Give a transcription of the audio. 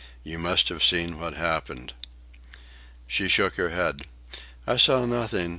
You must have seen what happened." She shook her head. "I saw nothing.